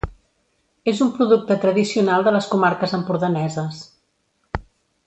És un producte tradicional de les comarques empordaneses.